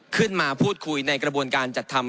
ขึ้นมาพูดคุยในกระบวนการจัดทำ